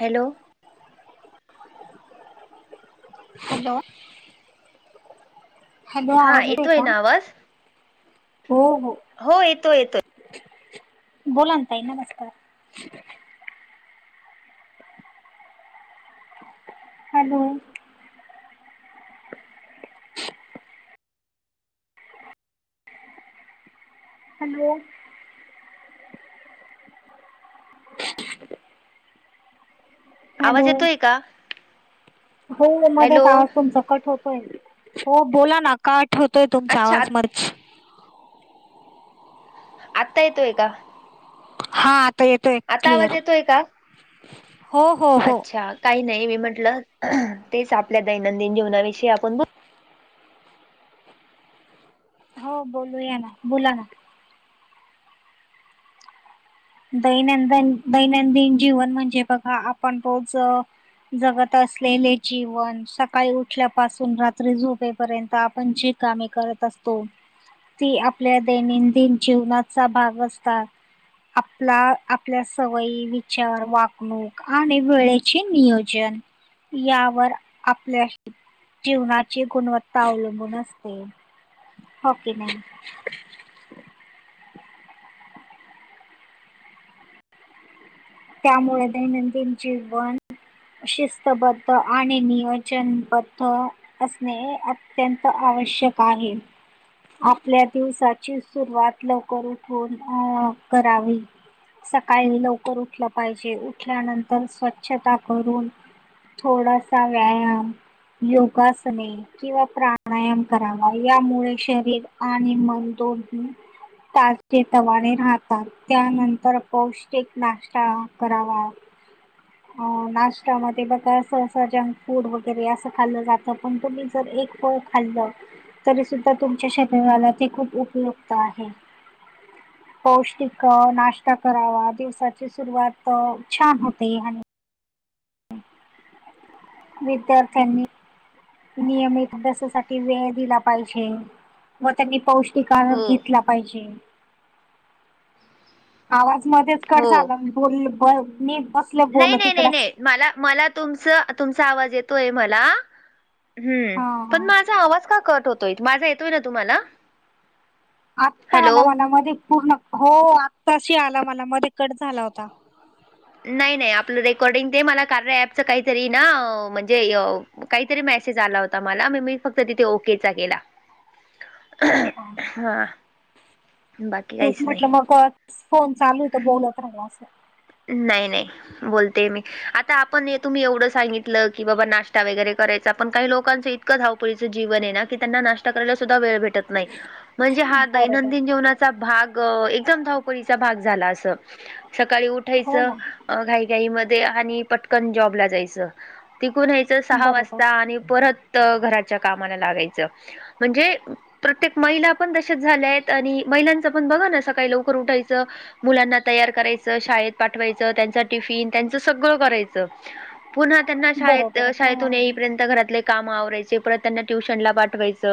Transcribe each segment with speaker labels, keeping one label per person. Speaker 1: Hello.
Speaker 2: Hello hello
Speaker 1: हा
Speaker 2: आवाज येत आहे
Speaker 1: येतोय
Speaker 2: का.
Speaker 1: ना आवाज
Speaker 2: हो हो.
Speaker 1: हो येतो येतोय.
Speaker 2: बोला ताई नमस्कार. हॅलो. हॅलो. हॅलो
Speaker 1: आवाज येतोय का
Speaker 2: हो मध्ये
Speaker 1: हॅलो
Speaker 2: आवाज तुमचा कट होतो हो बोला ना का ठेवतोय तुमचा
Speaker 1: अच्छा
Speaker 2: आवाज म
Speaker 1: आत्ता येतोय का
Speaker 2: हा आता येतोय
Speaker 1: आता आवाज
Speaker 2: क्लिअर
Speaker 1: येतोय का
Speaker 2: हो हो हो
Speaker 1: अच्छा काही नाही मी म्हंटलं तेच आपल्या दैनंदिन जीवनाविषयी आपण ब
Speaker 2: हो बोलू या ना बोला ना दैनंदन दैनंदिन जीवन म्हणजे बघा आपण रोज जगत असलेले जीवन सकाळी उठल्यापासून रात्री झोपेपर्यंत आपण ज कामे करत असतो ती आपल्या दैनंदिन जीवनाचा भाग असतात आपला. आपल्या सवयी, विचार, वागणूक आणि वेळेचे नियोजन, यावर आपल्याशी जीवनाची गुणवत्ता अवलंबून असते. हो की नाही. त्यामुळे, दैनंदिन जीवन शिस्तबद्ध आणि नियोजन बद्ध, असणे अत्यंत आवश्यक आहे. आपल्या दिवसाची सुरवात लवकर उठून, अ करावी. सकाळी लवकर उठलं पाहिजे. उठल्यानंतर स्वच्छता करून, थोडासा व्यायाम, योगासने, किंवा प्राणायाम करावा. यामुळे शरीर आणि मन दोन्ही ताजे तवाने राहतात. त्यानंतर पौष्टिक नष्टा का करावा.
Speaker 1: [inaudible]
Speaker 2: नाष्ट्या मध्ये बघा, अस अस जंक फूड वगैरे असं खाल्लं जातं. पण, तुम्ही जर एक फळ खाल्लं, तरी सुद्धा, तुमच्या शरीराला ते खूप उपयुक्त आहे. पौष्टिक नाश्ता करावा. दिवसाची सुरुवात छान होते. आणि विद्यार्थ्यांनी नियमित, अभ्यासासाठी वेळ दिला पाहिजे. व त्यांनी पौष्टिकार
Speaker 1: हो
Speaker 2: घेतला, पाहिजे. आवाज मध्येच कट
Speaker 1: हो
Speaker 2: झाला. बोल, ब मी बसलं
Speaker 1: नाही
Speaker 2: बोलत
Speaker 1: नाही नाही
Speaker 2: ईकडच.
Speaker 1: नाही मला, मला, तुमच तुमचा आवाज येतोय मला. हम्म.
Speaker 2: हा
Speaker 1: पण
Speaker 2: हा
Speaker 1: माझा आवाज का कट होतोय? माझा येतोय ना तुम्हाला?
Speaker 2: आत्ता
Speaker 1: हॅलो
Speaker 2: आला मला. मध्ये पूर्ण. हो आत्ताशी आला मला. मध्ये कट झाला होता.
Speaker 1: नाही नाही आपलं रेकॉर्डिंग ते, मला कार्या ऍपच काहीतरी ना, म्हणजे काहीतरी मेसेज आला होता मला. म मी फक्त तिथे ओकेचा केला.
Speaker 2: अच्छा,
Speaker 1: हा बाकी
Speaker 2: तेच
Speaker 1: काहीच नाही.
Speaker 2: म्हटलं म फोन चालू तयार त बोलत राहाय असं.
Speaker 1: नाही नाही. बोलते मी. आता आपण, हे तुम्ही एवढं सांगितलं की, बाबा नाश्ता वगैरे करायच. पण काही लोकांचं ईत क धावपळीचं जीवनेना की, त्यांना नाश्ता करायला सुद्धा वे भेटत नाही. म्हणजे हा
Speaker 2: बरोबर.
Speaker 1: दैनंदिन जीवना भाग एकदम धावपळीचा भाग झाला अस. सकाळी
Speaker 2: हो
Speaker 1: उठायचं
Speaker 2: ना
Speaker 1: घाईघाईमध्ये आणि पटकन जॉबला जायचं. तिकून यायचं, सहा
Speaker 2: बरोबर
Speaker 1: वाजता, आणि परत घराच्या कामाला लागायचं. म्हणजे प्रत्येक महिला पण तशच झाल्यात. आणि महिलांचं पण बघा ना सकाळी लवकर उठायचं. मुलांना तयार करायचं. त्याना शाळेत पाठवायचं. त्यांच टिफिन. त्यांचं सगळं करायचं. पुन्हा त्यांना शाळेत
Speaker 2: बरोबर हो.
Speaker 1: शाळेतून येईपर्यंत, घरातले काम आवरायचे. परत त्यांना ट्युशन ला पाठवायच.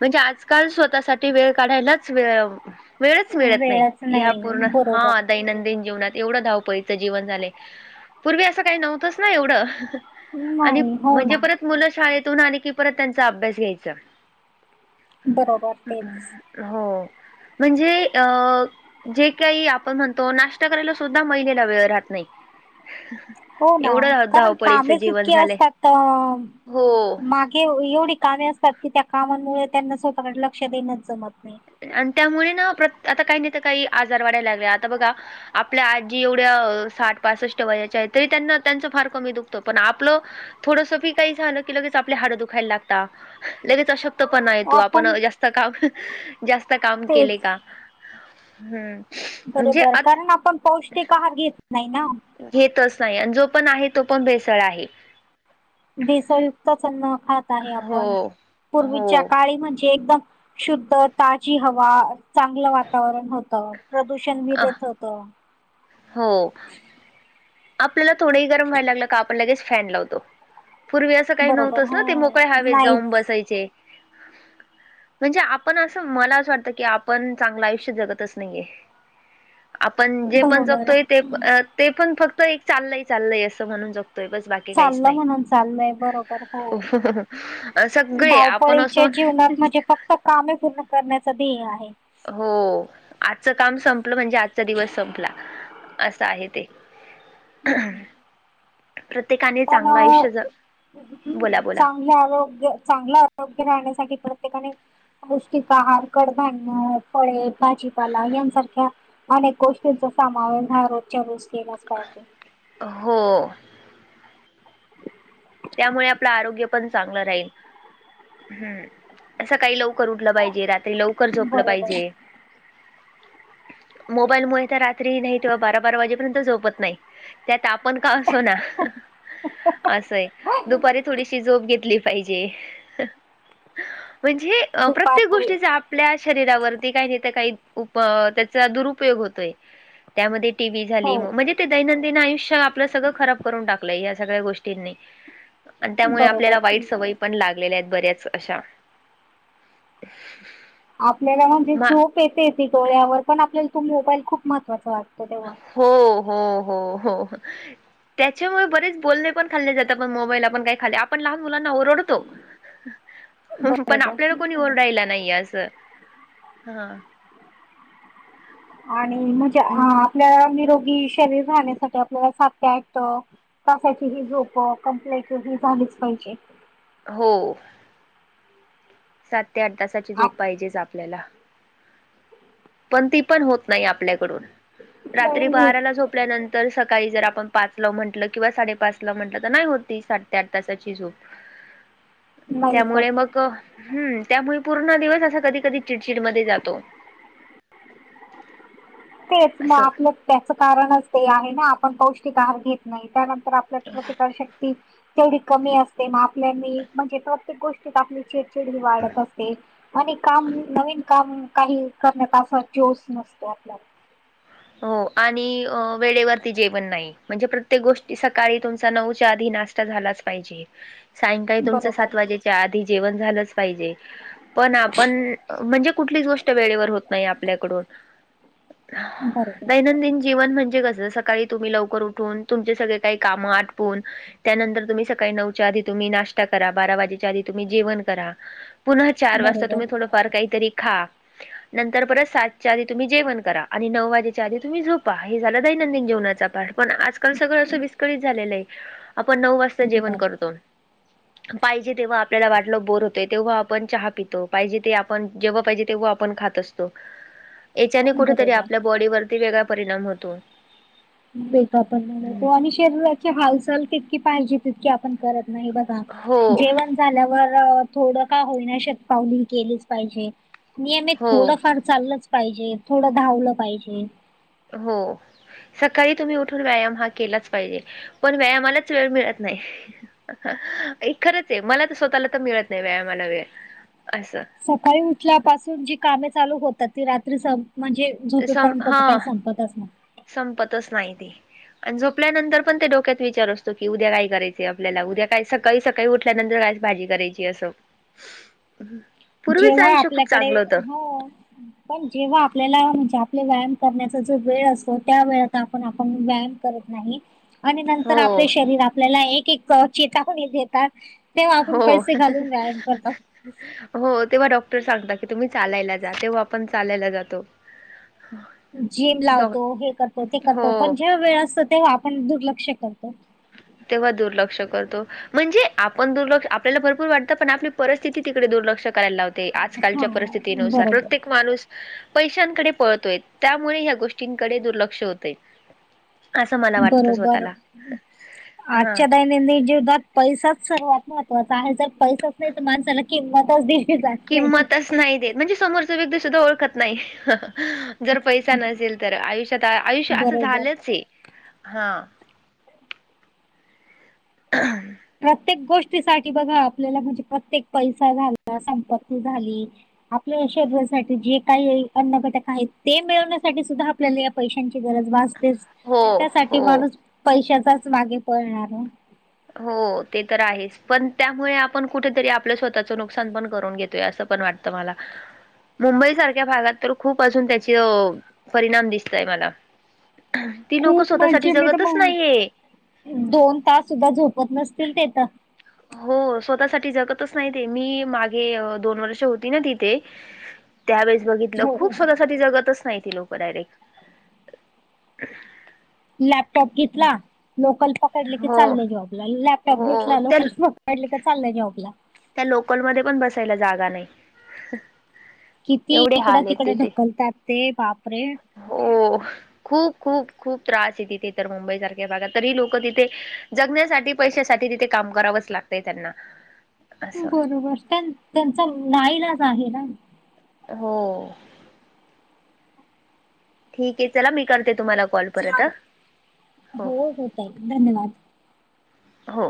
Speaker 1: म्हणजे, आजकाल स्वतःसाठी वेळ काढायलाच, वेळ मिळच मिळत नाही.
Speaker 2: वेळच
Speaker 1: ह पूर्ण हा
Speaker 2: बरोबर
Speaker 1: दैनंदिन जीवनात. एवढं धाव पळीचं जीवन झालय. पूर्वी असं काही नव्हतंच ना एवढं. आणि
Speaker 2: नाही हो
Speaker 1: म्हणजे
Speaker 2: ना.
Speaker 1: परत मुलं शाळेतून आले की, परत त्यांचा अभ्यास घ्यायचा.
Speaker 2: बरोबर
Speaker 1: ह
Speaker 2: तेच
Speaker 1: अम् [unintelligible] हो, म्हणजे अ जे काही आपण म्हणतो, नाश्ता करायला सुद्धा महिला वेळ राहत नाही.
Speaker 2: हो ना,
Speaker 1: एवढं
Speaker 2: कारण
Speaker 1: धावपळीचं
Speaker 2: कामेच
Speaker 1: जीवन
Speaker 2: इतकीे
Speaker 1: झालंय.
Speaker 2: असतात.
Speaker 1: हो.
Speaker 2: एवढी कामे असतात की, त्या कामांमुळे त्यांना स्वतःकडे लक्ष देणच जमत नाही.
Speaker 1: आणि त्यामुळे ना. प्र आता काही नाही त काही. आजार वाढायला लागले. आता बघा आपल्या आजी एवढ्या साठ पासष्ट वयाच्याये, तरी त्यांना त्यांचं फार कमी दुखत. पण आपलं थोडसी बी काही झालं की लगेच आपल्या हाडं दुखायला लागत लगेच अ पणा येतो आपण जास्त काम, जास्त काम केले
Speaker 2: तेच
Speaker 1: का ह
Speaker 2: बरोबर कारण आपण पौष्टिक आहार घेत नाही ना.
Speaker 1: घेतच नाही आणि जो पण आहे तो पण भेसळ आहे.
Speaker 2: दिसळयुक्तच अन्न खात आहे आपण
Speaker 1: हो
Speaker 2: पूर्वीच्या
Speaker 1: हो.
Speaker 2: काळी म्हणजे एकदम शुद्ध ताजी हवा चांगलं वातावरण होतं प्रदूषण
Speaker 1: अ
Speaker 2: देत होत.
Speaker 1: हो. आपल्याला थोडंही गरम व्हायला लागलं का आपण लगेच फॅन लावतो. पूर्वी असं काही
Speaker 2: बरोबर
Speaker 1: नव्हतच ना ते
Speaker 2: हो
Speaker 1: मोकळे हवेत
Speaker 2: नाहीच
Speaker 1: जाऊन बसायचे. म्हणजे आपण असं मला असं वाटतं की आपण चांगलं आयुष्य जगतच नाहीये. आपण जे पण
Speaker 2: बरोबर
Speaker 1: जगतोय ते ते पण फक्त एक चाललं चालय असं म्हणून जगतोय बस बाकी काहीच
Speaker 2: चाललं
Speaker 1: नाही.
Speaker 2: म्हणून चाललय बरोबर हो
Speaker 1: सगळे आपण
Speaker 2: धावपळीच्या
Speaker 1: असो
Speaker 2: जीवनात म्हजे फक्त कामे पूर्ण करण्याचा ध्येय आहे.
Speaker 1: हो आजचं काम संपलं म्हणजे आजचा दिवस संपला असं आहे ते. प्रत्येकाने
Speaker 2: पण
Speaker 1: चांगलं
Speaker 2: अ
Speaker 1: आयुष्य ज बोला बोला
Speaker 2: चां हे आरोग्य चांगलं आरोग्य राहण्यासाठी प्रत्येकाने पौष्टिक आहार, कडधान्य फळे, भाजीपाला यांसारख्या अनेक गोष्टींचा समावेश हा रोजच्या रोज केलाच पाहिजे.
Speaker 1: हो. त्यामुळे आपलं आरोग्य पण चांगलं राहील हम्म सकाळी लवक लवकर उठलं पाहिजे, रात्री लवकर झोपलं
Speaker 2: बरोबर
Speaker 1: पाहिजे. मोबाईलमुळे तर रात्री नाही किंवा बारा, बारा वाजेपर्यंत झोपत नाही. त्यात आपण का असो ना असंय दुपारी थोडीशी झोप घेतली पाहिजे. म्हणजे प्रत्येक
Speaker 2: दुपारी
Speaker 1: गोष्टीचा आपल्या शरीरावरती काही नाही तर काहीप त्याचा दुरुपयोग होतोय. त्यामध्ये टी, व्ही
Speaker 2: हो
Speaker 1: झाली मग म्हणजे ते दैनंदिन आयुष्य आपलं सगळं खराब करून टाकलंय या सगळ्या गोष्टींनी. आणि त्यामुळे
Speaker 2: बरोबर
Speaker 1: आपल्याला वाईट सवय पण लागल आहेत बऱ्याच अशा.
Speaker 2: आपल्याला म्हणजे
Speaker 1: मा
Speaker 2: झोप येते ती डोळ्यावर पण आपल्याला तो मोबाईल खूप महत्त्वाचा वाटतो तेव्हा.
Speaker 1: हो हो हो हो. त्याच्यामुळे बरेच बोलणे पण खाल्ले जात आपण मोबाईल आपण काही खाली आपण लहान मुलांना ओरडतो पण
Speaker 2: बरोबर
Speaker 1: आपल्याला कोणी ओरडायला नाही असं हा.
Speaker 2: आणि म्हणजे अ आपल्या निरोगी शरीर राहण्यासाठी आपल्याला सात ते आठ तासाची ही झोप कंपल्याची ही झालीच पाहिजे.
Speaker 1: हो. सात ते आठ तासाची झोप पाहिजेच आपल्याला. पण ती पण होत नाही आपल्याकडून रात्री
Speaker 2: नाही होत
Speaker 1: बाराला झोपल्यानंतर तर सकाळी जर आपण पाच ला म्हटलं किंवा साडेपाच ला म्हंटलं तर नाही होती साडे ते आठ तासाची झोप. ह [unintelligible]
Speaker 2: नाहीच होत
Speaker 1: त्यामुळे मग हम्म त्यामुळे पूर्ण दिवस असा कधी, कधी चिडचिडमध्ये जातो.
Speaker 2: तेच
Speaker 1: असं
Speaker 2: आपलं त्याच कारणच ते आहे ना आपण पौष्टिक आहार घेत नाही त्यानंतर तर आपल्यात प्रतिकार शक्ती तेवढी कमी असते ना आपल्या म्हणजे प्रत्येक गोष्टीत आपली वाढत असते आणि काम नवीन काम काही करण्याचा अस जोश नसतो आपल्याला
Speaker 1: हो आणि वेळेवरती जेवण नाही. म्हणजे प्रत्येक गोष्टी सकाळी तुमचा नऊच्या आधी नाश्ता झालाच पाहिजे सायंकाळी तुमचं
Speaker 2: बरोबर
Speaker 1: सात वाजेच्या आधी जेवण झालंच पाहिजे पण आपण म्हणजे कुठलीच गोष्ट वेळेवर होत नाही आपल्याकडून [unintelligible]
Speaker 2: बरोबर
Speaker 1: दैनंदिन जीवन म्हणजे कसं सकाळी तुम्ही लवकर उठून तुमचे सगळे काही कामं आटपून त्यानंतर तुम्ही सकाळी नऊच्या आधी तुम्ही नाश्ता करा बारा वाजेच्या आधी तुम्ही जेवण करा पुन्हा चार वाजता
Speaker 2: बरोबर
Speaker 1: तुम्ही थोड पार काय तरी खा नंतर परत सात च्या आधी तुम्ही तम्ही जेवण करा आणि नऊ वाजेच च्या आधी तुम्ही झोपा हे झाला दैनंदिन जीवनाचा पाठ पण आज काण सगळं असं विस्कळीत झालेलं आहे आपण नऊ वाजता जेवण
Speaker 2: बर
Speaker 1: करतो पाहिजे तेव्हा आपल्याला वाटलं बोर होतंय तेव्हा आपण चहा पितो पाहिजे ते आप - आपण जेव्हा पाहिजे तेव्हा आपण खात असतो याच्याने कुठतरी
Speaker 2: बरोबर
Speaker 1: आपल्या बॉडीवरती वेगळा परिणाम होतो
Speaker 2: [unintelligible]
Speaker 1: हम्म.
Speaker 2: आणि शरीराची हालचाल कितकी पाहिजे तितकी आपण करत नाही बस
Speaker 1: हो
Speaker 2: जेवण झाल्यावर थोडं का होईना शत पावली हो केलीच पाहिजे नियमित
Speaker 1: हो
Speaker 2: थोडंफार चाललंच पाहिजे थोडं धावलं पाहिजे.
Speaker 1: हो. सकाळी तुम्ही उठून व्यायाम हा केलाच पाहिजे पण व्यायामालाच वेळ मिळत नाही. अइ खरंचय मला तर स्वतःला तर मिळत नाही व्यायामाला वेळ असं.
Speaker 2: सकाळी उठल्यापासून जी कामे चालू होतात ती रात्री सं म्हणजे.
Speaker 1: सम हा.
Speaker 2: पतच नाय
Speaker 1: संपतच नाही ते आणि झोपल्यानंतर पण ते डोक्यात विचार असतो की उद्या काय करायचं आपल्याला उद्या काय सक - काळी सकाळी उठल्यानंतर कास भाजी करायचीय असं. पूर्वीच
Speaker 2: जेव्हा
Speaker 1: आयुष्य खूप
Speaker 2: आपल्याकडे
Speaker 1: चांगलं होतं.
Speaker 2: हो पण जेव्हा आपल्याला म्हणजे आपले व्यायाम करण्याचा जो वेळ असतो त्या वेळ आपण आपण व्यायाम करत नाही आणि नंतर
Speaker 1: हो.
Speaker 2: आपले शरीर आपल्याला एक एक चेतावणी देतात तेव्हा आपण
Speaker 1: हो.
Speaker 2: पैसे घालून व्यायाम करतात
Speaker 1: हो तेव्हा डॉक्टर सांगता की तुम्ही चालायला जा तेव्हा आपण चालायला जातो. [unintelligible]
Speaker 2: जिम
Speaker 1: डॉ
Speaker 2: लावतो हे करतो ते
Speaker 1: हो.
Speaker 2: करतो पण जेव्हा वेळ असतो तेव्हा आपण दुर्लक्ष करतो
Speaker 1: तेव्हा दुर्लक्ष करतो. म्हणजे आपण दुर्लक्ष आपल्याला भरपूर वाटतं पण आपली परिस्थिती तिकडे दुर्लक्ष करायला लावते ते
Speaker 2: हा
Speaker 1: आजकालच्या परिस्थितीनुसार
Speaker 2: बरोबर
Speaker 1: प्रत्येक माणूस. पैशांकडे पळतोय त्यामुळे ह्या गोष्टींकडे दुर्लक्ष होतय. असं मला वाटतं
Speaker 2: बरोबर
Speaker 1: स्वतःला हा.
Speaker 2: आजच्या दय नंदीन जीवनात पैसाच सर्वात महत्वाचा आहे जर पैसाच नाही तर माणसाला किंमतच दे -
Speaker 1: किंमतच नाही देत म्हणजे समोरचा व्यक्ती सुद्धा ओळखत नाही. जर पैसा नसेल तर आयुष्यात आयुष्य असं
Speaker 2: बरोबर
Speaker 1: झालंचय हा. [unintelligible]
Speaker 2: प्रत्येक गोष्टीसाठी बघा आपल्याला म्हणजे प्रत्येक पैसा झाला संपत्ती झाली. आपल्या शरीरासाठी जे काही अन्न घटक आहेत ते मिळवण्यासाठी सुद्धा. आपल्याला या पैशांची गरज भासतेच.
Speaker 1: हो
Speaker 2: त्यासाठी
Speaker 1: हो
Speaker 2: माणूस पैशाचाच मागे पळणाराय
Speaker 1: हो ते तर आहेच पण त्यामुळे आपण कुठेतरी आपल्या स्वतःचं नुकसान पण करून घेतोय असं पण वाटत. त मला. मुंबई सारख्या भागात तर खूप अजून त्याचे परिणाम दिसतय मला. ती लोक
Speaker 2: खूप
Speaker 1: स्वतःसाठी
Speaker 2: म्हणजे मी तर
Speaker 1: जगतच
Speaker 2: म्हण
Speaker 1: नाहीये.
Speaker 2: दोन तास सुद्धा झोपत नसतील तेथ.
Speaker 1: हो स्वतःसाठी जगतच नाही ते मी मागे दोन वर्ष होती ना तिथे. हम. त्यावेेळेस बघितलं
Speaker 2: हो
Speaker 1: खूप स्वतःसाठी जगतच नाही ती लोक डायरेक्ट.
Speaker 2: लॅपटॉप घेतला लोकल पकडले की
Speaker 1: हो
Speaker 2: चाल जॉबला लॅपटॉप
Speaker 1: हो
Speaker 2: घेतला
Speaker 1: त्या
Speaker 2: लोकल. वाडलं का चाललंय जेऊकला.
Speaker 1: त्या लोकलमध्येध्ये पण बसायला जागा नाही.
Speaker 2: किती
Speaker 1: एवढे
Speaker 2: इकड
Speaker 1: हाल आहेत
Speaker 2: तिकडे
Speaker 1: तिथे
Speaker 2: ढकलतात ते. बापरे!
Speaker 1: हो. खूप खूप खूप त्रास आहे तिथे तर मुंबई सारख्या भागात तरी लोक तिथे जगण्यासाठी. पैशासाठी तिथे काम करावंच लागतंय त्यांना. असं
Speaker 2: बरोबर त्यां त्यांचा नाईलाज आहे ना.
Speaker 1: हो. ठीक आहे चला मी करते तुम्हाला. कॉल परत
Speaker 2: चाल हो होत आहे धन्यवाद.
Speaker 1: हो